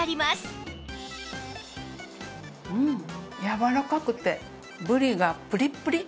やわらかくてブリがプリプリ。